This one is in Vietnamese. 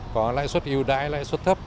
có lãi suất ưu đãi lãi suất thấp